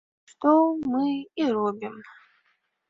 Што мы і робім.